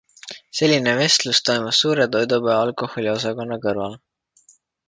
Selline vestlus toimus suure toidupoe alkoholiosakonna kõrval.